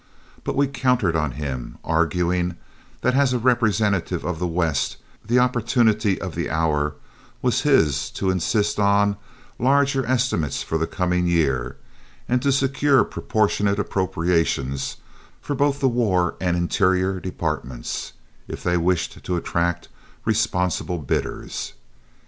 But we countered on him, arguing that as a representative of the West the opportunity of the hour was his to insist on larger estimates for the coming year, and to secure proportionate appropriations for both the War and Interior departments, if they wished to attract responsible bidders.